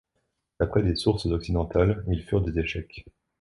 D'après des sources occidentales ils furent des échecs.